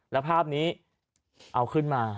แล้วภาพนี้เอาขึ้นมา